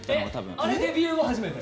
あれデビュー後初めて？